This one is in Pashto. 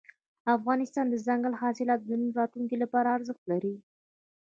افغانستان کې دځنګل حاصلات د نن او راتلونکي لپاره ارزښت لري.